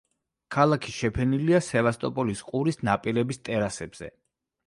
ქალაქი შეფენილია სევასტოპოლის ყურის ნაპირების ტერასებზე.